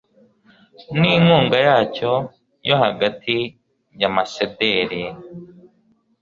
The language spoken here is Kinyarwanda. n'inkunga yacyo yo hagati y'amasederi